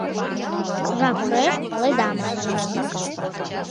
— Жап шуэш — паледа! — маньым.